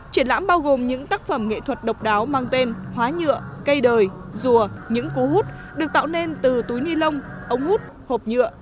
triển lãm bao gồm những tác phẩm nghệ thuật độc đáo mang tên hóa nhựa cây đời rùa những cú hút được tạo nên từ túi ni lông ống hút hộp nhựa